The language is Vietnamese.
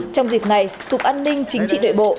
trong dịp này cục an ninh chính trị nội bộ